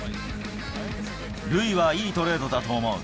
ルイはいいトレードだと思う。